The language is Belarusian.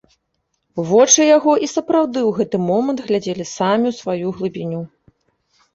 Вочы яго і сапраўды ў гэты момант глядзелі самі ў сваю глыбіню.